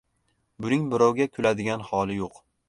— Buning birovga kuladigan holi yuq.